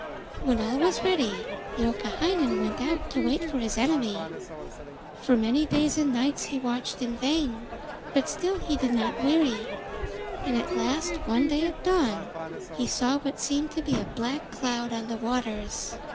When all was ready Youkahainen went out to wait for his enemy. For many days and nights he watched in vain, but still he did not weary, and at last one day at dawn he saw what seemed to be a black cloud on the waters.